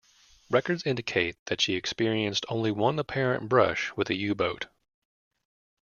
Records indicate that she experienced only one apparent brush with a U-boat.